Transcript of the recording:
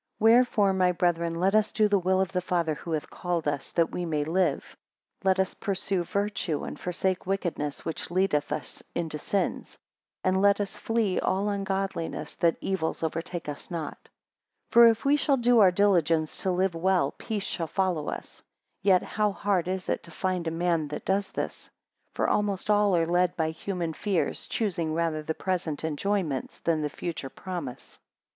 6 Wherefore, my brethren, let us do the will of the Father, who hath called us, that we may live. Let us pursue virtue, and forsake wickedness, which leadeth us into sins; and let us flee all ungodliness, that evils overtake us not. 7 For, if we shall do our diligence to live well, peace shall follow us. And yet how hard is it to find a man that does this? For almost all are led by human fears, choosing rather the present enjoyments, than the future promise.